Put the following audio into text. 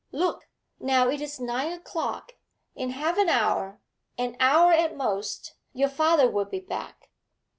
Look, now, it is nine o'clock; in half an hour, an hour at most, your father will be back.